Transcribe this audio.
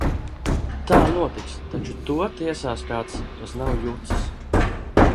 Tā notiks, taču to tiesās kāds, kas nav jucis!